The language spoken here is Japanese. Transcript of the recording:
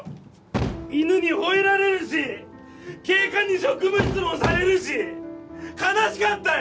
犬にほえられるし警官に職務質問されるし悲しかったよ！